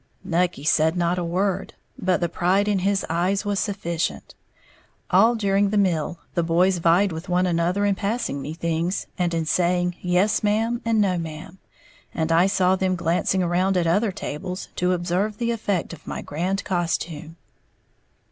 Nucky said not a word; but the pride in his eyes was sufficient. All during the meal, the boys vied with one another in passing me things, and in saying "yes ma'am" and "no ma'am"; and I saw them glancing around at other tables to observe the effect of my grand costume.